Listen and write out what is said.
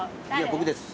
僕です